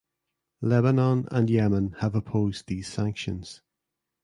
Lebanon and Yemen have opposed these sanctions.